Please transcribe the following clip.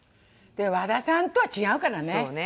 でも和田さんとは違うからね。